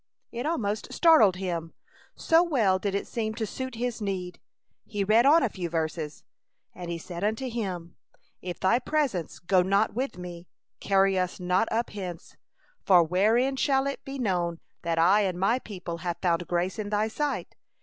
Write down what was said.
It almost startled him, so well did it seem to suit his need. He read on a few verses: And he said unto him, If thy presence go not with me, carry us not up hence. For wherein shall it be known that I and my people have found grace in thy sight?